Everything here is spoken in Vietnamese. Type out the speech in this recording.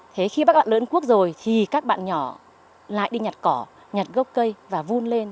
thế khi các bạn lớn cuốc rồi thì các bạn nhỏ lại đi nhặt cỏ nhặt gốc cây và vuôn lên